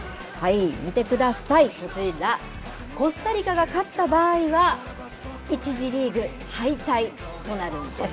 見てください、こちら、コスタリカが勝った場合は、１次リーグ敗退となるんです。